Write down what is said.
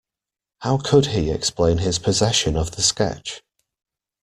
How could he explain his possession of the sketch.